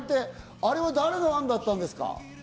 あれは誰の案だったんですか？